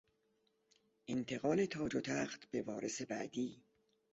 انتقال تاج و تخت به وارث بعدی